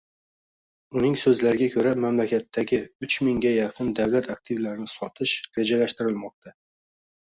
Uning so‘zlariga ko‘ra, mamlakatdagiuchmingga yaqin davlat aktivlarini sotish rejalashtirilmoqda